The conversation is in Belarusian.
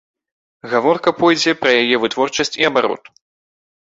Гаворка пойдзе пра яе вытворчасць і абарот.